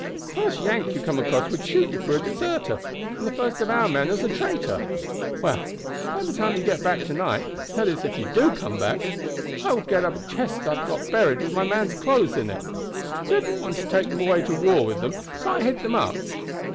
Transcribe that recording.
The first Yank you came across would shoot you for a deserter, and the first of our men as a traitor. Well, by the time you get back to night, that is if you do come back, I will get up a chest I've get buried with my men's clothes in it. They didn't want to take them away to the war with them, so I hid them up."